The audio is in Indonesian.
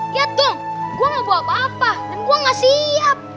liat dong gua mau bawa bapak dan gua ga siap